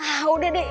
hah udah deh